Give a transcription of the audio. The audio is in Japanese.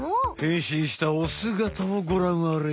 変身したおすがたをごらんあれ。